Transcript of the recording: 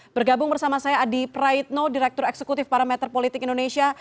bergabung bersama saya adi praitno direktur eksekutif parameter politik indonesia